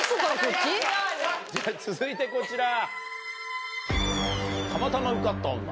じゃ続いてこちら。